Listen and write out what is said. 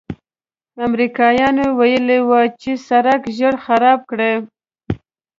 امریکایانو ویلي و چې سړک ژر خراب کړي.